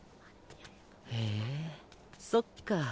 へえそっか。